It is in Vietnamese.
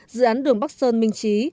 dự án đường bắc sơn minh chí